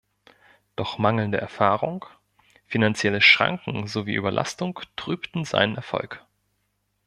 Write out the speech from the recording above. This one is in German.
Doch mangelnde Erfahrung, finanzielle Schranken sowie Überlastung trübten seinen Erfolg.